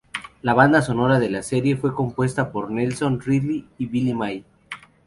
La banda sonora de la serie fue compuesta por Nelson Riddle y Billy May.